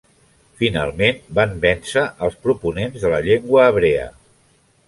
Finalment van vèncer els proponents de la llengua hebrea.